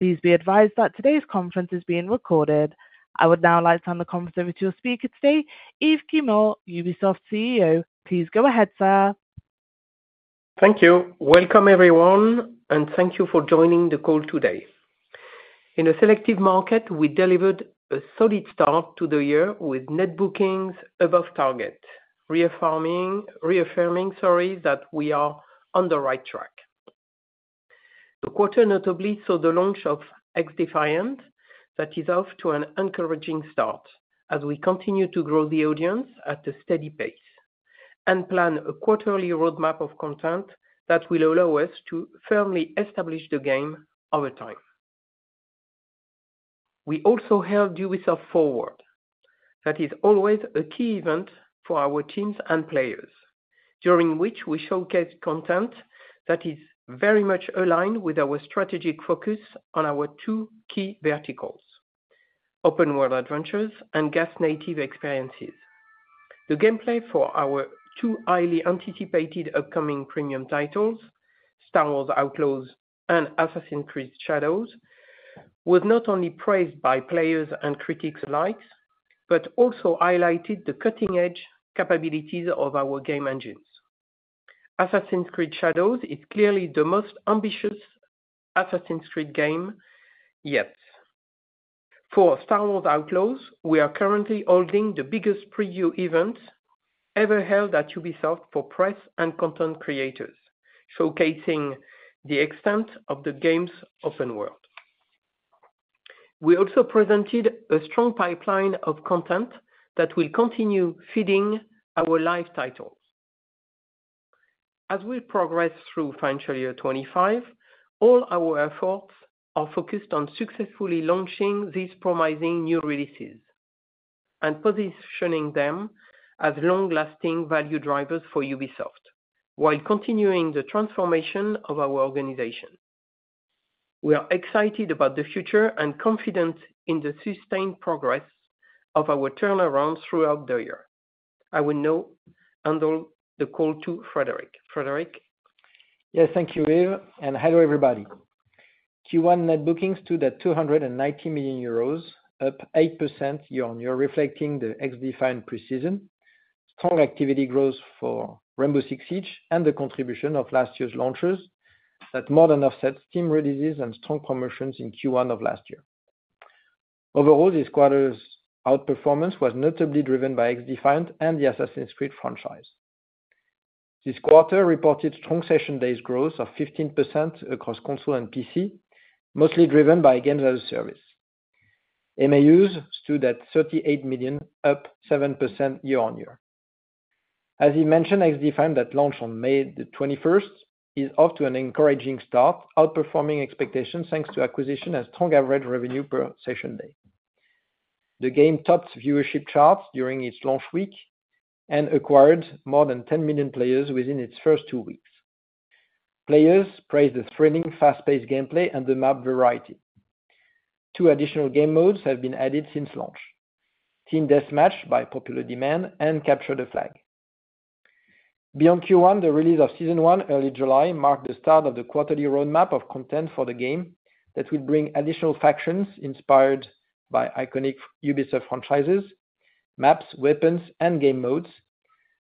Please be advised that today's conference is being recorded. I would now like to hand the conference over to your speaker today, Yves Guillemot, Ubisoft's CEO. Please go ahead, sir. Thank you. Welcome, everyone, and thank you for joining the call today. In a selective market, we delivered a solid start to the year with net bookings above target, reaffirming that we are on the right track. The quarter notably saw the launch of XDefiant, that is off to an encouraging start as we continue to grow the audience at a steady pace and plan a quarterly roadmap of content that will allow us to firmly establish the game over time. We also held Ubisoft Forward. That is always a key event for our teams and players, during which we showcase content that is very much aligned with our strategic focus on our two key verticals: open world adventures and GaaS-native experiences. The gameplay for our two highly anticipated upcoming premium titles, Star Wars Outlaws and Assassin's Creed Shadows, was not only praised by players and critics alike, but also highlighted the cutting-edge capabilities of our game engines. Assassin's Creed Shadows is clearly the most ambitious Assassin's Creed game yet. For Star Wars Outlaws, we are currently holding the biggest preview event ever held at Ubisoft for press and content creators, showcasing the extent of the game's open world. We also presented a strong pipeline of content that will continue feeding our live titles. As we progress through financial year 25, all our efforts are focused on successfully launching these promising new releases and positioning them as long-lasting value drivers for Ubisoft, while continuing the transformation of our organization. We are excited about the future and confident in the sustained progress of our turnaround throughout the year. I will now hand over the call to Frédérique. Frédérique? Yes, thank you, Yves, and hello, everybody. Q1 net bookings stood at 290 million euros, up 8% year-on-year, reflecting the XDefiant Preseason, strong activity growth for Rainbow Six Siege, and the contribution of last year's launches that more than offset Steam releases and strong promotions in Q1 of last year. Overall, this quarter's outperformance was notably driven by XDefiant and the Assassin's Creed franchise. This quarter reported strong session days growth of 15% across console and PC, mostly driven by games as a service. MAUs stood at 38 million, up 7% year-on-year. As you mentioned, XDefiant, that launched on May the twenty-first, is off to an encouraging start, outperforming expectations, thanks to acquisition and strong average revenue per session day. The game topped viewership charts during its launch week and acquired more than 10 million players within its first two weeks. Players praised the thrilling, fast-paced gameplay and the map variety. Two additional game modes have been added since launch: Team Deathmatch by popular demand and Capture the Flag. Beyond Q1, the release of Season One, early July, marked the start of the quarterly roadmap of content for the game that will bring additional factions inspired by iconic Ubisoft franchises, maps, weapons and game modes,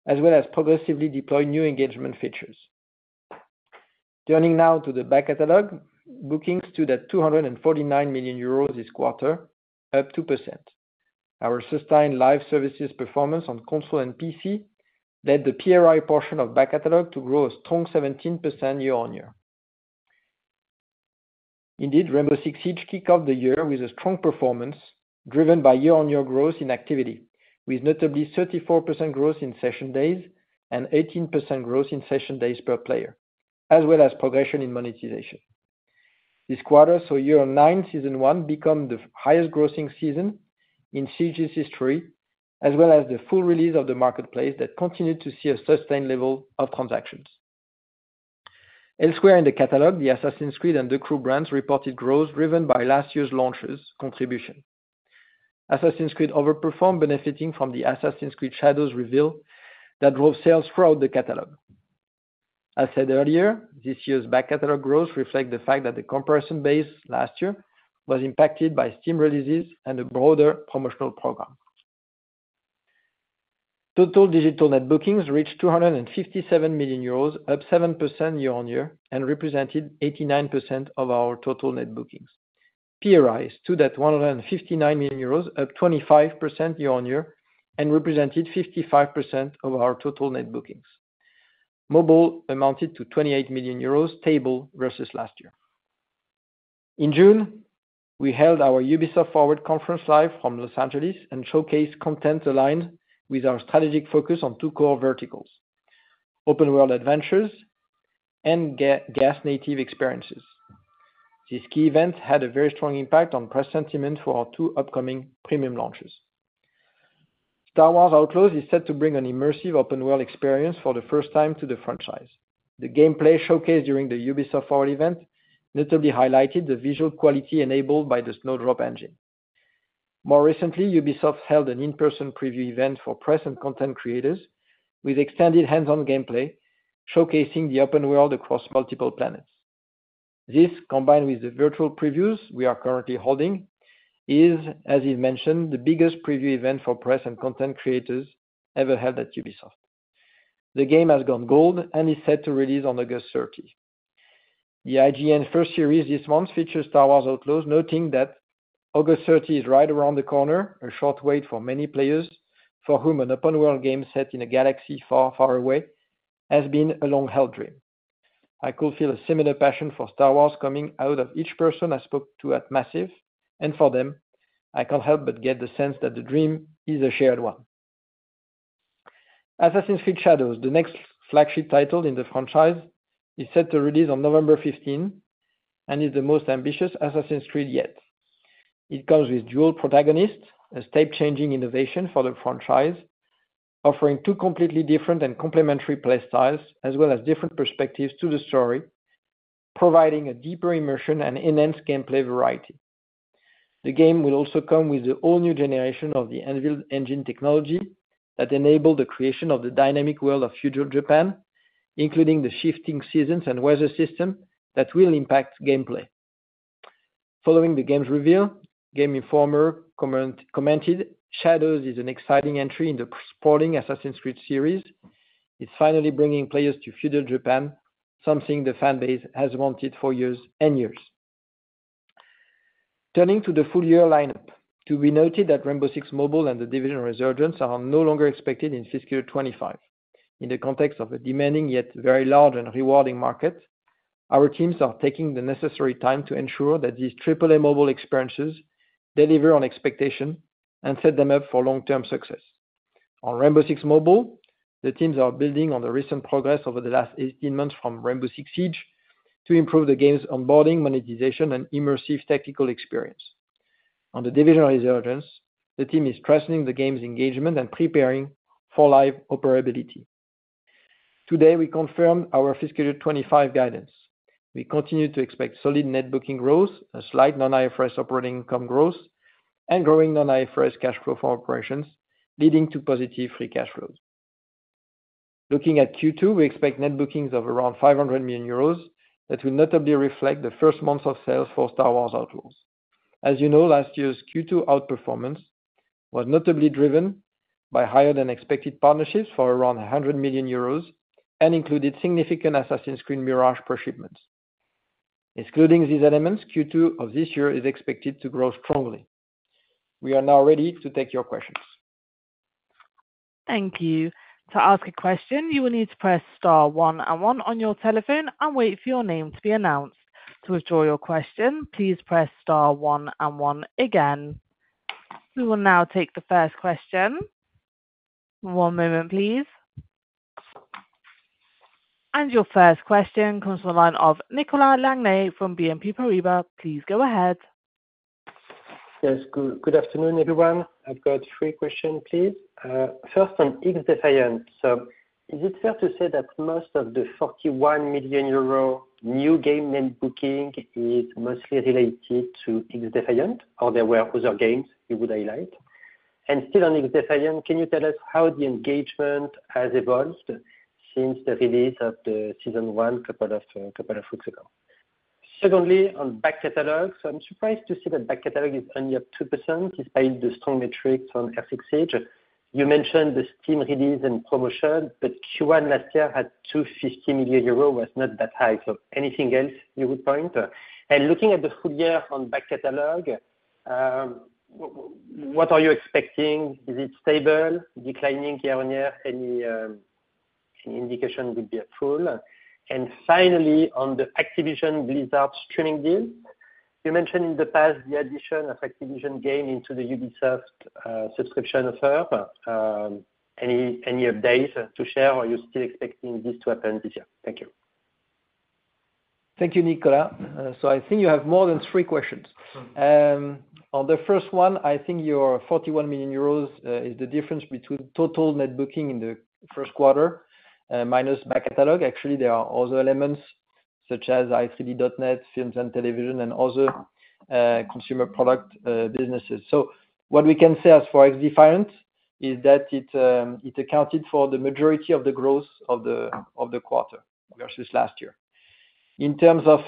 as well as progressively deploy new engagement features. Turning now to the back catalog, bookings stood at 249 million euros this quarter, up 2%. Our sustained live services performance on console and PC led the PRI portion of back catalog to grow a strong 17% year-on-year. Indeed, Rainbow Six Siege kicked off the year with a strong performance, driven by year-on-year growth in activity, with notably 34% growth in session days and 18% growth in session days per player, as well as progression in monetization. This quarter, so Year 9, Season 1, become the highest grossing season in Siege's history, as well as the full release of the marketplace that continued to see a sustained level of transactions. Elsewhere in the catalog, the Assassin's Creed and The Crew brands reported growth, driven by last year's launches contribution. Assassin's Creed overperformed, benefiting from the Assassin's Creed Shadows reveal that drove sales throughout the catalog. As said earlier, this year's back catalog growth reflect the fact that the comparison base last year was impacted by Steam releases and a broader promotional program. Total digital net bookings reached 257 million euros, up 7% year-on-year, and represented 89% of our total net bookings. PRI stood at 159 million euros, up 25% year-on-year, and represented 55% of our total net bookings. Mobile amounted to 28 million euros, stable versus last year. In June, we held our Ubisoft Forward conference live from Los Angeles and showcased content aligned with our strategic focus on two core verticals: open world adventures and GaaS native experiences. This key event had a very strong impact on press sentiment for our two upcoming premium launches. Star Wars Outlaws is set to bring an immersive open world experience for the first time to the franchise. The gameplay showcased during the Ubisoft Forward event notably highlighted the visual quality enabled by the Snowdrop engine. More recently, Ubisoft held an in-person preview event for press and content creators, with extended hands-on gameplay, showcasing the open world across multiple planets. This, combined with the virtual previews we are currently holding, is, as you mentioned, the biggest preview event for press and content creators ever held at Ubisoft. The game has gone gold and is set to release on August 30. The IGN First series this month features Star Wars Outlaws, noting that August 30 is right around the corner, a short wait for many players for whom an open world game set in a galaxy far, far away has been a long-held dream. I could feel a similar passion for Star Wars coming out of each person I spoke to at Massive, and for them, I can't help but get the sense that the dream is a shared one. Assassin's Creed Shadows, the next flagship title in the franchise, is set to release on November 15, and is the most ambitious Assassin's Creed yet. It comes with dual protagonists, a state-changing innovation for the franchise, offering two completely different and complementary play styles, as well as different perspectives to the story, providing a deeper immersion and enhanced gameplay variety. The game will also come with the all-new generation of the Anvil engine technology, that enable the creation of the dynamic world of feudal Japan, including the shifting seasons and weather system that will impact gameplay. Following the game's review, Game Informer commented, "Shadows is an exciting entry in the sprawling Assassin's Creed series. It's finally bringing players to feudal Japan, something the fan base has wanted for years and years." Turning to the full year lineup, to be noted that Rainbow Six Mobile and The Division Resurgence are no longer expected in fiscal 25. In the context of the demanding, yet very large and rewarding market, our teams are taking the necessary time to ensure that these triple-A mobile experiences deliver on expectation and set them up for long-term success. On Rainbow Six Mobile, the teams are building on the recent progress over the last 18 months from Rainbow Six Siege to improve the game's onboarding, monetization, and immersive tactical experience. On The Division Resurgence, the team is strengthening the game's engagement and preparing for live operability. Today, we confirm our fiscal 25 guidance. We continue to expect solid net booking growth, a slight non-IFRS operating income growth, and growing non-IFRS cash flow from operations, leading to positive free cash flows. Looking at Q2, we expect net bookings of around 500 million euros. That will notably reflect the first months of sales for Star Wars Outlaws. As you know, last year's Q2 outperformance was notably driven by higher than expected partnerships for around 100 million euros and included significant Assassin's Creed Mirage shipments. Excluding these elements, Q2 of this year is expected to grow strongly. We are now ready to take your questions. Thank you. To ask a question, you will need to press star one and one on your telephone and wait for your name to be announced. To withdraw your question, please press star one and one again. We will now take the first question. One moment, please. Your first question comes from the line of Nicolas Langlet from BNP Paribas. Please go ahead. Yes, good, good afternoon, everyone. I've got three questions, please. First, on XDefiant. So is it fair to say that most of the 41 million euro new game net booking is mostly related to XDefiant, or there were other games you would highlight? And still on XDefiant, can you tell us how the engagement has evolved since the release of the season one, couple of weeks ago? Secondly, on back catalog, so I'm surprised to see that back catalog is only up 2%, despite the strong metrics on Rainbow Six Siege. You mentioned the Steam release and promotion, but Q1 last year had 250 million euros, was not that high. So anything else you would point? And looking at the full year on back catalog, what are you expecting? Is it stable, declining year-on-year? Any indication would be helpful. And finally, on the Activision Blizzard streaming deal, you mentioned in the past the addition of Activision game into the Ubisoft subscription offer. Any, any updates to share, or are you still expecting this to happen this year? Thank you. Thank you, Nicolas. So I think you have more than three questions. On the first one, I think your 41 million euros is the difference between total net booking in the first quarter minus back catalog. Actually, there are other elements such as i3D.net, films and television, and other consumer product businesses. So what we can say as for XDefiant is that it accounted for the majority of the growth of the quarter versus last year. In terms of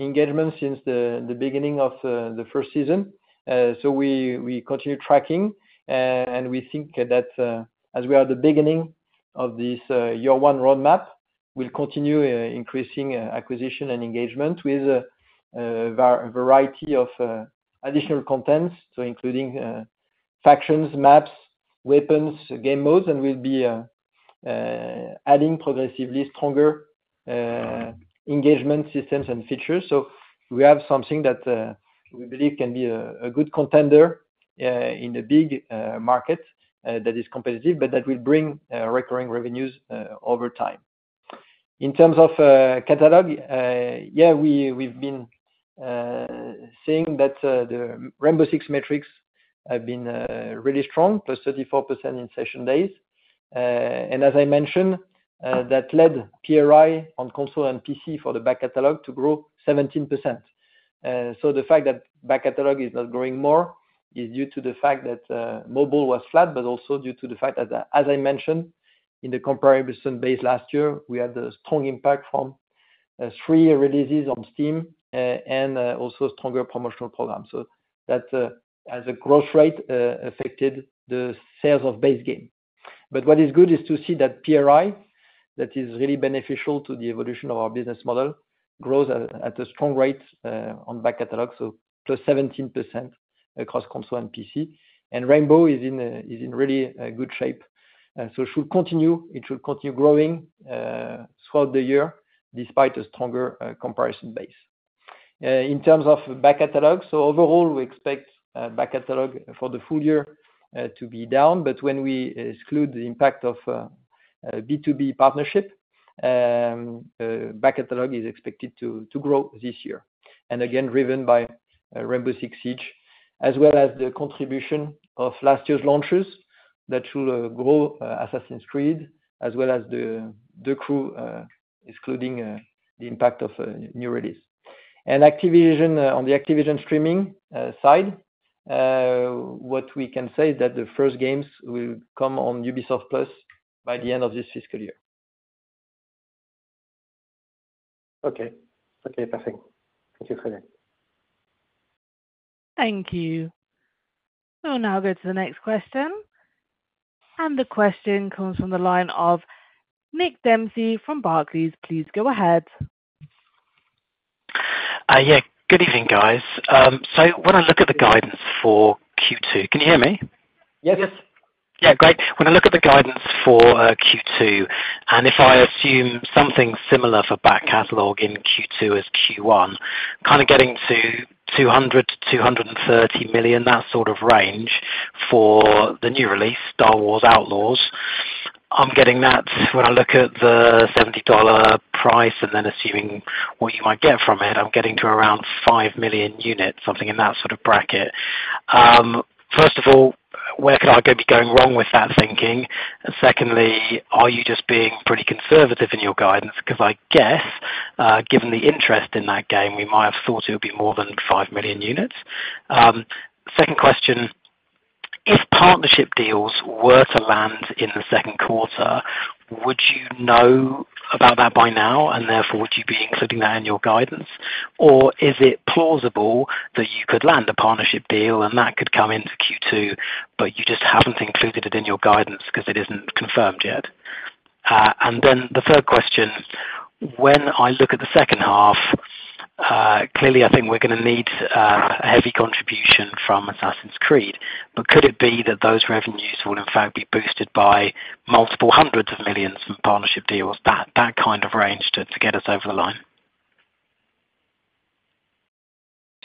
engagement since the beginning of the first season, so we continue tracking, and we think that as we are at the beginning of this year one roadmap, we'll continue increasing acquisition and engagement with variety of additional contents, so including factions, maps, weapons, game modes, and we'll be adding progressively stronger engagement systems and features. So we have something that we believe can be a good contender in the big market that is competitive, but that will bring recurring revenues over time. In terms of catalog, yeah, we've been seeing that the Rainbow Six metrics have been really strong, plus 34% in session days. As I mentioned, that led PRI on console and PC for the back catalog to grow 17%. The fact that back catalog is not growing more is due to the fact that mobile was flat, but also due to the fact that, as I mentioned, in the comparison base last year, we had a strong impact from three releases on Steam and also stronger promotional program. That as a growth rate affected the sales of base game. But what is good is to see that PRI, that is really beneficial to the evolution of our business model, grows at a strong rate on back catalog, so +17% across console and PC. Rainbow is in really good shape. So it should continue growing throughout the year, despite a stronger comparison base. In terms of back catalog, so overall, we expect back catalog for the full year to be down, but when we exclude the impact of B2B partnership, back catalog is expected to grow this year, and again, driven by Rainbow Six Siege, as well as the contribution of last year's launches, that should grow Assassin's Creed, as well as The Crew, excluding the impact of new release. And Activision, on the Activision streaming side, what we can say is that the first games will come on Ubisoft Plus by the end of this fiscal year. Okay. Okay, perfect. Thank you so much. Thank you. We'll now go to the next question. The question comes from the line of Nick Dempsey from Barclays. Please go ahead. Yeah, good evening, guys. So when I look at the guidance for Q2... Can you hear me? Yeah, yes. Yeah, great. When I look at the guidance for Q2, and if I assume something similar for back catalog in Q2 as Q1, kind of getting to 200 million-230 million, that sort of range for the new release, Star Wars Outlaws. I'm getting that when I look at the $70 price and then assuming what you might get from it, I'm getting to around 5 million units, something in that sort of bracket. First of all, where could I go be going wrong with that thinking? And secondly, are you just being pretty conservative in your guidance? Because I guess, given the interest in that game, we might have thought it would be more than 5 million units. Second question: If partnership deals were to land in the second quarter, would you know about that by now, and therefore, would you be including that in your guidance? Or is it plausible that you could land a partnership deal and that could come into Q2, but you just haven't included it in your guidance because it isn't confirmed yet? And then the third question: When I look at the second half, clearly, I think we're gonna need a heavy contribution from Assassin's Creed, but could it be that those revenues will in fact be boosted by multiple hundreds of millions EUR in partnership deals, that, that kind of range to, to get us over the line?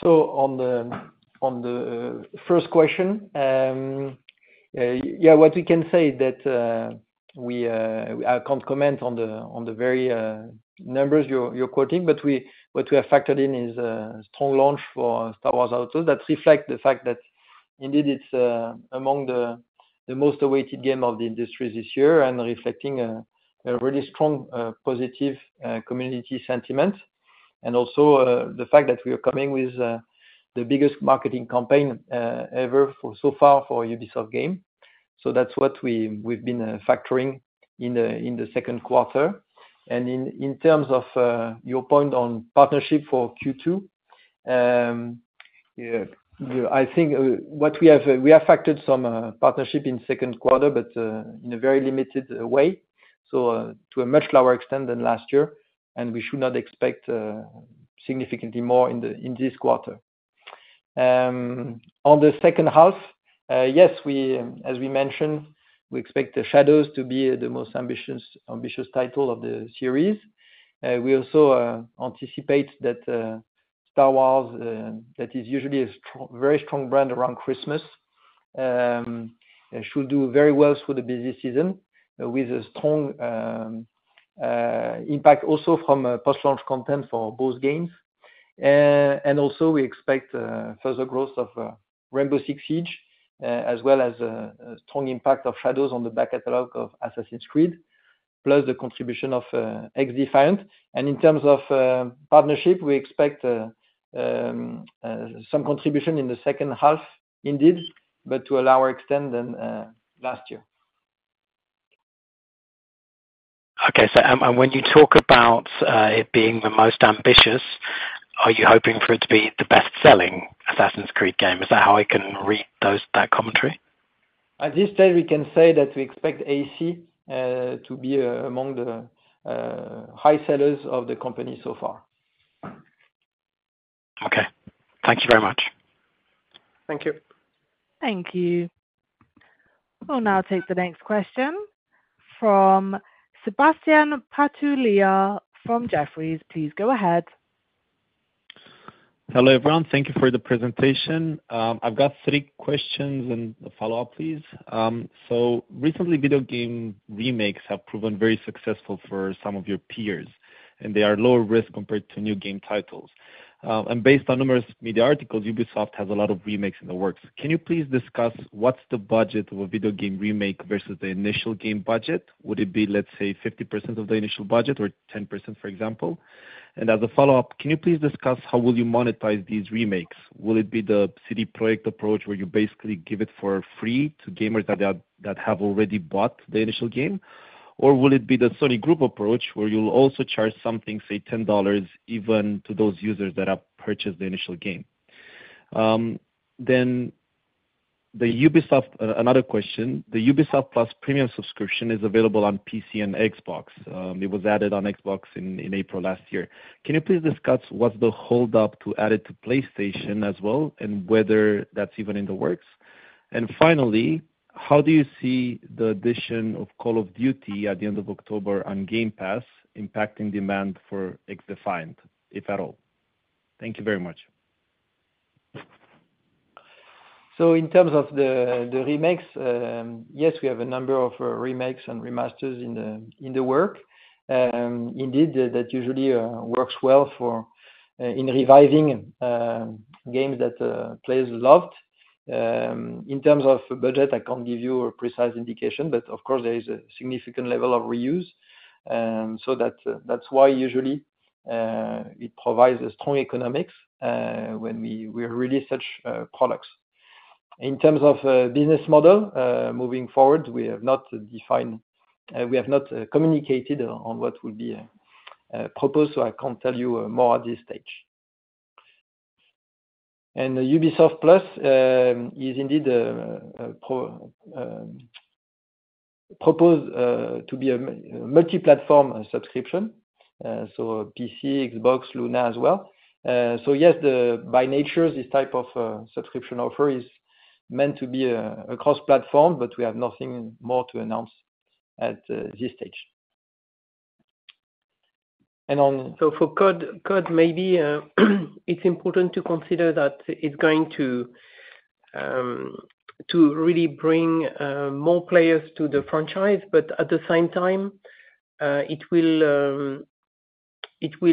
So on the first question, yeah, what we can say is that I can't comment on the very numbers you're quoting, but what we have factored in is a strong launch for Star Wars Outlaws. That reflect the fact that indeed it's among the most awaited game of the industry this year and reflecting a really strong positive community sentiment, and also the fact that we are coming with the biggest marketing campaign ever for so far for Ubisoft game. So that's what we've been factoring in the second quarter. In terms of your point on partnership for Q2, I think we have factored some partnership in second quarter, but in a very limited way, so to a much lower extent than last year, and we should not expect significantly more in this quarter. On the second half, yes, as we mentioned, we expect the Shadows to be the most ambitious title of the series. We also anticipate that Star Wars, that is usually a very strong brand around Christmas, should do very well for the busy season, with a strong impact also from post-launch content for both games. and also we expect further growth of Rainbow Six Siege, as well as a strong impact of Shadows on the back catalog of Assassin's Creed, plus the contribution of XDefiant. And in terms of partnership, we expect some contribution in the second half, indeed, but to a lower extent than last year. Okay, so and when you talk about it being the most ambitious, are you hoping for it to be the best-selling Assassin's Creed game? Is that how I can read those, that commentary? At this stage, we can say that we expect AC to be among the high sellers of the company so far. Okay. Thank you very much. Thank you. Thank you. We'll now take the next question from Sebastian Patulea from Jefferies. Please go ahead. ... Hello, everyone. Thank you for the presentation. I've got three questions, and a follow-up, please. Recently, video game remakes have proven very successful for some of your peers, and they are lower risk compared to new game titles. Based on numerous media articles, Ubisoft has a lot of remakes in the works. Can you please discuss what's the budget of a video game remake versus the initial game budget? Would it be, let's say, 50% of the initial budget or 10%, for example? And as a follow-up, can you please discuss how will you monetize these remakes? Will it be the CD Projekt approach, where you basically give it for free to gamers that have, that have already bought the initial game? Or will it be the Sony Group approach, where you'll also charge something, say, $10, even to those users that have purchased the initial game? Then the Ubisoft, another question, the Ubisoft+ premium subscription is available on PC and Xbox. It was added on Xbox in April last year. Can you please discuss what's the holdup to add it to PlayStation as well, and whether that's even in the works? And finally, how do you see the addition of Call of Duty at the end of October on Game Pass impacting demand for XDefiant, if at all? Thank you very much. So in terms of the remakes, yes, we have a number of remakes and remasters in the works. Indeed, that usually works well for reviving games that players loved. In terms of budget, I can't give you a precise indication, but of course there is a significant level of reuse. So that's why usually it provides a strong economics when we release such products. In terms of business model moving forward, we have not defined, we have not communicated on what would be proposed, so I can't tell you more at this stage. And Ubisoft Plus is indeed proposed to be a multi-platform subscription. So PC, Xbox, Luna as well. So yes, the by nature, this type of subscription offer is meant to be a cross-platform, but we have nothing more to announce at this stage. And on- So for COD, maybe, it's important to consider that it's going to really bring more players to the franchise, but at the same time, it will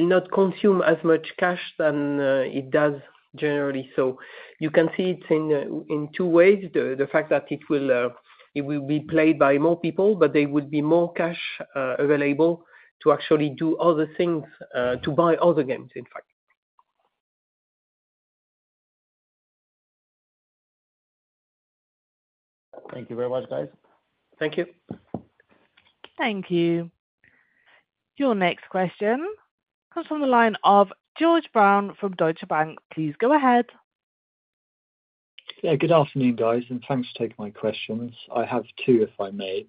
not consume as much cash than it does generally. So you can see it in two ways. The fact that it will be played by more people, but there would be more cash available to actually do other things, to buy other games, in fact. Thank you very much, guys. Thank you. Thank you. Your next question comes from the line of George Brown from Deutsche Bank. Please go ahead. Yeah, good afternoon, guys, and thanks for taking my questions. I have two, if I may.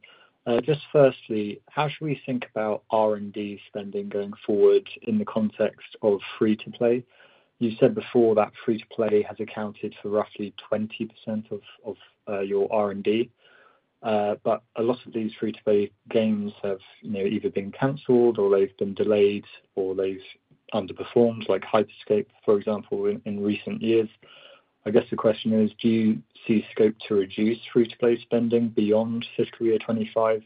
Just firstly, how should we think about R&D spending going forward in the context of free-to-play? You've said before that free-to-play has accounted for roughly 20% of your R&D. But a lot of these free-to-play games have, you know, either been canceled, or they've been delayed, or they've underperformed, like Hyper Scape, for example, in recent years. I guess the question is, do you see scope to reduce free-to-play spending beyond fiscal year 25?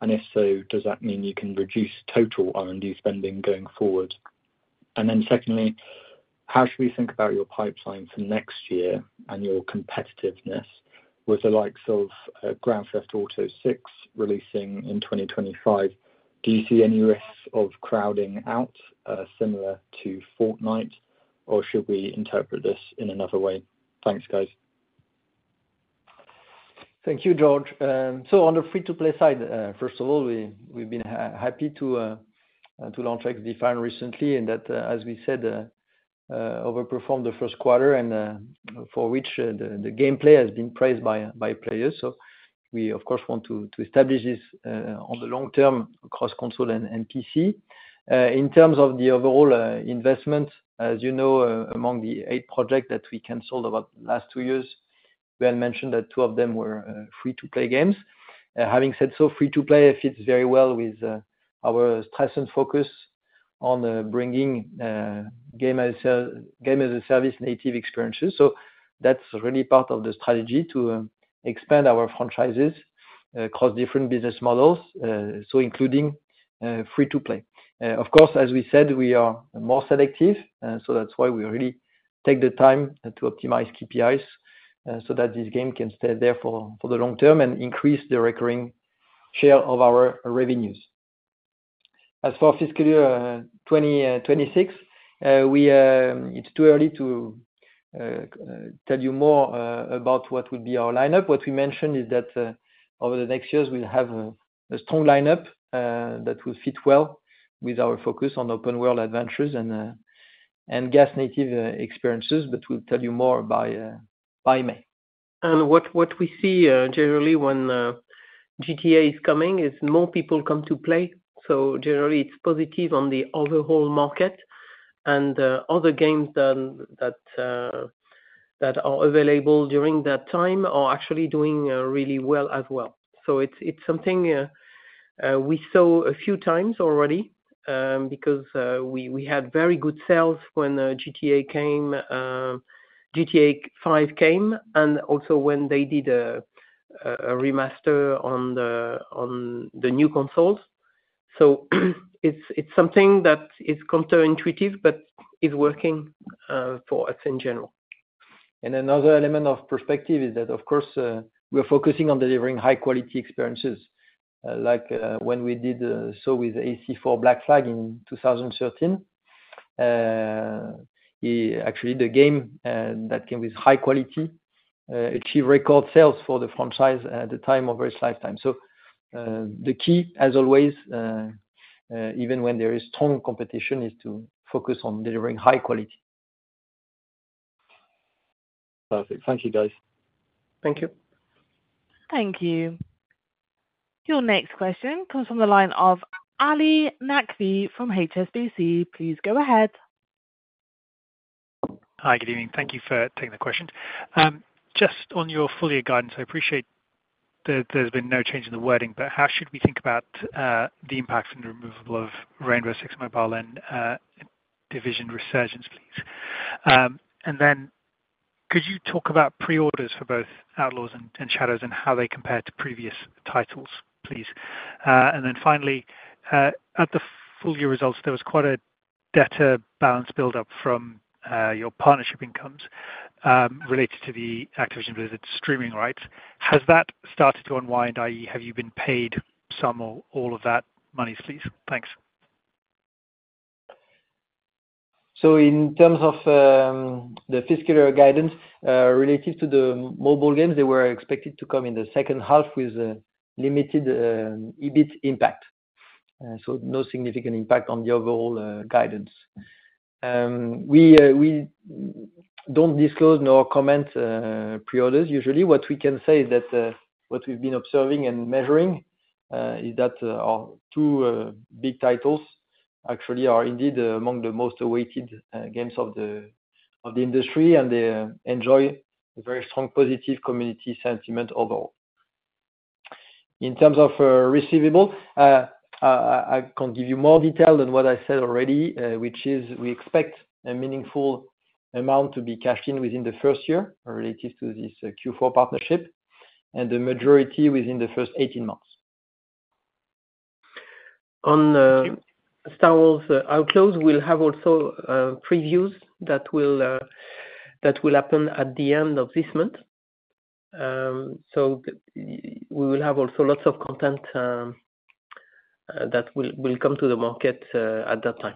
And if so, does that mean you can reduce total R&D spending going forward? And then secondly, how should we think about your pipeline for next year and your competitiveness with the likes of Grand Theft Auto VI releasing in 2025? Do you see any risks of crowding out, similar to Fortnite, or should we interpret this in another way? Thanks, guys. Thank you, George. So on the free-to-play side, first of all, we've been happy to launch XDefiant recently, and that, as we said, overperformed the first quarter, and for which the gameplay has been praised by players. So we, of course, want to establish this on the long term across console and PC. In terms of the overall investment, as you know, among the eight projects that we canceled about last two years, we had mentioned that two of them were free-to-play games. Having said so, free to play fits very well with our stress and focus on bringing game as a service native experiences. So that's really part of the strategy to expand our franchises across different business models, so including free to play. Of course, as we said, we are more selective, so that's why we really take the time to optimize KPIs so that this game can stay there for the long term and increase the recurring share of our revenues. As for fiscal year 2026, it's too early to tell you more about what would be our lineup. What we mentioned is that over the next years, we'll have a strong lineup that will fit well with our focus on open world adventures and GaaS native experiences, but we'll tell you more by May. What we see generally when GTA is coming is more people come to play, so generally it's positive on the overall market. Other games that are available during that time are actually doing really well as well. So it's something we saw a few times already, because we had very good sales when GTA came, GTA Five came, and also when they did a remaster on the new consoles. So it's something that is counterintuitive, but is working for us in general. Another element of perspective is that, of course, we're focusing on delivering high quality experiences. Like, when we did so with AC4 Black Flag in 2013, actually the game that came with high quality achieved record sales for the franchise at the time over its lifetime. So, the key, as always, even when there is strong competition, is to focus on delivering high quality. Perfect. Thank you, guys. Thank you. Thank you. Your next question comes from the line of Ali Naqvi from HSBC. Please go ahead. Hi, good evening. Thank you for taking the question. Just on your full year guidance, I appreciate that there's been no change in the wording, but how should we think about the impact and removal of Rainbow Six Mobile and Division Resurgence, please? And then could you talk about pre-orders for both Outlaws and Shadows, and how they compare to previous titles, please? And then finally, at the full year results, there was quite a debtor balance build-up from your partnership incomes related to the Activision Blizzard streaming rights. Has that started to unwind? i.e., have you been paid some or all of that money, please? Thanks. So in terms of the fiscal year guidance related to the mobile games, they were expected to come in the second half with a limited EBIT impact. So no significant impact on the overall guidance. We don't disclose nor comment pre-orders. Usually, what we can say is that what we've been observing and measuring is that our two big titles actually are indeed among the most awaited games of the industry, and they enjoy a very strong positive community sentiment overall. In terms of receivable, I can give you more detail than what I said already, which is we expect a meaningful amount to be cashed in within the first year, related to this Q4 partnership, and the majority within the first 18 months. On Star Wars Outlaws, we'll have also previews that will happen at the end of this month. So we will have also lots of content that will come to the market at that time.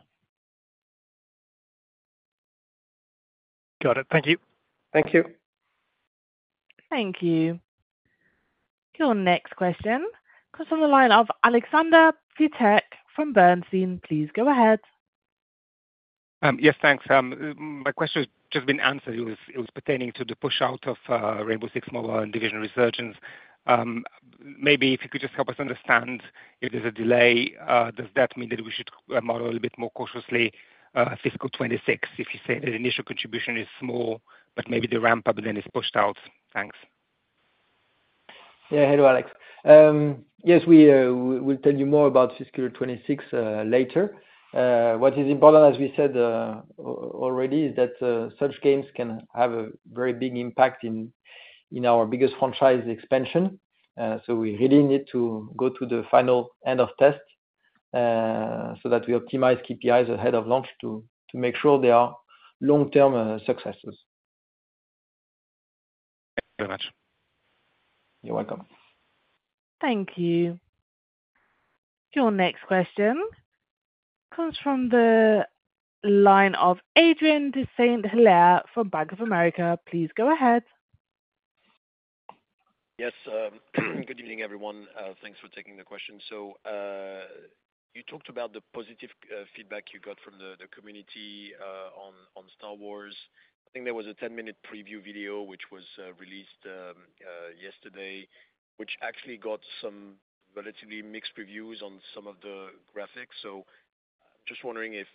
Got it. Thank you. Thank you. Thank you. Your next question comes on the line of Alexander Peterc from Société Générale. Please go ahead. Yes, thanks. My question has just been answered. It was, it was pertaining to the push out of Rainbow Six Mobile and Division Resurgence. Maybe if you could just help us understand if there's a delay, does that mean that we should model a bit more cautiously, fiscal 26, if you say the initial contribution is small, but maybe the ramp-up then is pushed out? Thanks. Yeah. Hello, Alex. Yes, we, we will tell you more about fiscal 2026, later. What is important, as we said, already, is that, such games can have a very big impact in, in our biggest franchise expansion. So we really need to go to the final end of test, so that we optimize KPIs ahead of launch to, to make sure they are long-term, successes. Thank you very much. You're welcome. Thank you. Your next question comes from the line of Adrien de Saint Hilaire from Bank of America. Please go ahead. Yes, good evening, everyone. Thanks for taking the question. So, you talked about the positive feedback you got from the community on Star Wars. I think there was a 10-minute preview video which was released yesterday, which actually got some relatively mixed reviews on some of the graphics. So just wondering if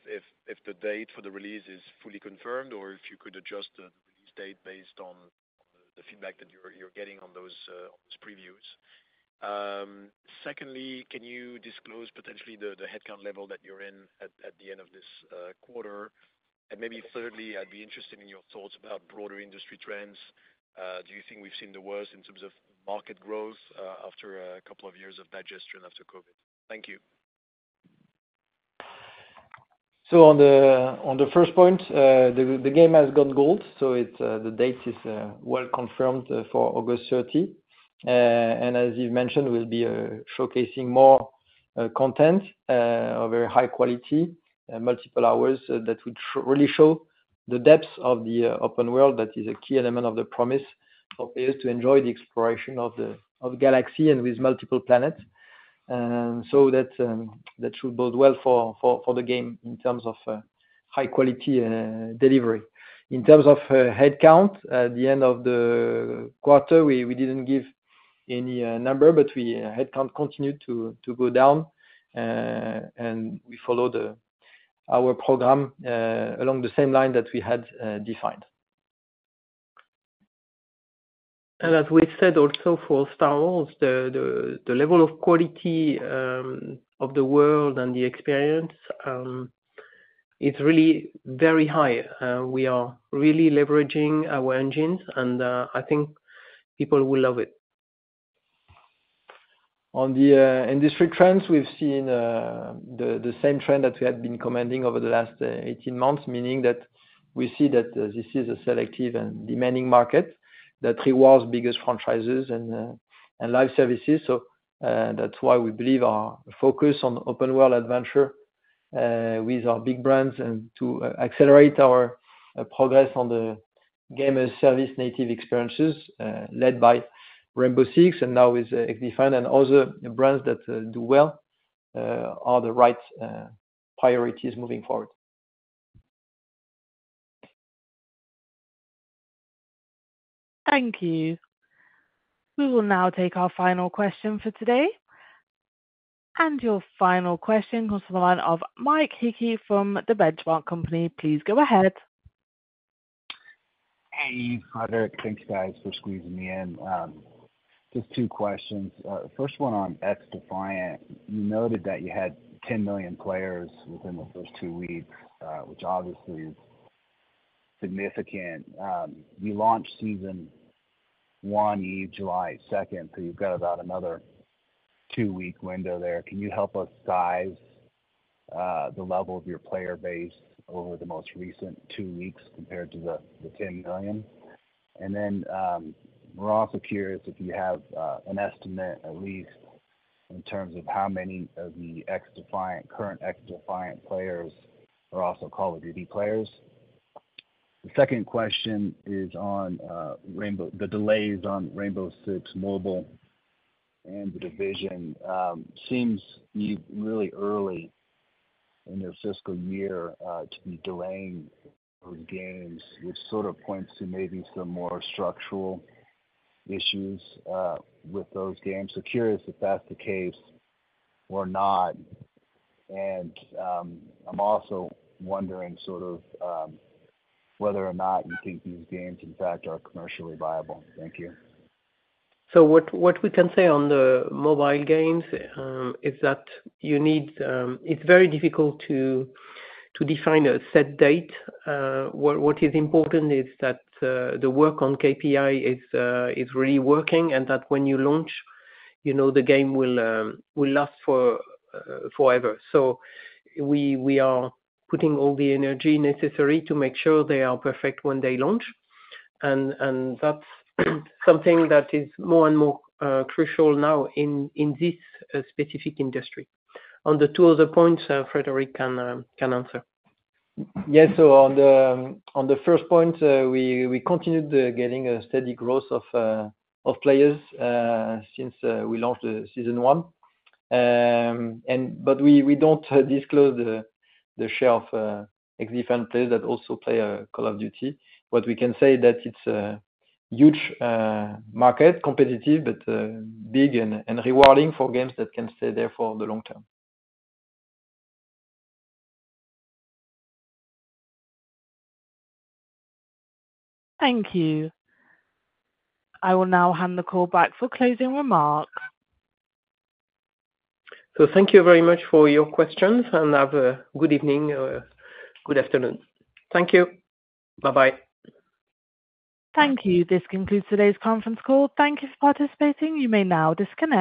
the date for the release is fully confirmed, or if you could adjust the release date based on the feedback that you're getting on those previews. Secondly, can you disclose potentially the headcount level that you're in at the end of this quarter? And maybe thirdly, I'd be interested in your thoughts about broader industry trends. Do you think we've seen the worst in terms of market growth, after a couple of years of digestion after COVID? Thank you. So on the first point, the game has gone gold, so it's the date is well confirmed for August thirty. And as you've mentioned, we'll be showcasing more content of very high quality and multiple hours that would really show the depth of the open world. That is a key element of the promise for players to enjoy the exploration of the galaxy and with multiple planets. And so that should bode well for the game in terms of high quality delivery. In terms of headcount, at the end of the quarter, we didn't give any number, but headcount continued to go down. And we follow our program along the same line that we had defined. As we said also for Star Wars, the level of quality of the world and the experience, it's really very high. We are really leveraging our engines, and I think people will love it. On the industry trends, we've seen the same trend that we had been commenting over the last 18 months, meaning that we see that this is a selective and demanding market that rewards biggest franchises and live services. So that's why we believe our focus on open world adventure with our big brands and to accelerate our progress on the game as service native experiences led by Rainbow Six and now with XDefiant and other brands that do well are the right priorities moving forward. Thank you. We will now take our final question for today. Your final question goes to the line of Mike Hickey from The Benchmark Company. Please go ahead. Hey, Frédérique. Thank you, guys, for squeezing me in. Just two questions. First one on XDefiant. You noted that you had 10 million players within the first two weeks, which obviously is significant. You launched season one in July 2nd, so you've got about another two-week window there. Can you help us size the level of your player base over the most recent two weeks compared to the 10 million? And then, we're also curious if you have an estimate, at least in terms of how many of the XDefiant current XDefiant players are also Call of Duty players. The second question is on Rainbow - the delays on Rainbow Six Mobile and The Division. Seems you're really early in your fiscal year to be delaying your games, which sort of points to maybe some more structural issues with those games. So curious if that's the case or not, and I'm also wondering sort of whether or not you think these games, in fact, are commercially viable. Thank you. So what we can say on the mobile games is that you need... It's very difficult to define a set date. What is important is that the work on KPI is really working, and that when you launch, you know, the game will last forever. So we are putting all the energy necessary to make sure they are perfect when they launch, and that's something that is more and more crucial now in this specific industry. On the two other points, Frédérique can answer. Yes. So on the first point, we continued getting a steady growth of players since we launched the season one. But we don't disclose the share of XDefiant players that also play Call of Duty. What we can say that it's a huge market, competitive, but big and rewarding for games that can stay there for the long term. Thank you. I will now hand the call back for closing remarks. Thank you very much for your questions, and have a good evening or good afternoon. Thank you. Bye-bye. Thank you. This concludes today's conference call. Thank you for participating. You may now disconnect.